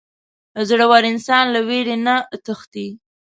• زړور انسان له وېرې نه تښتي.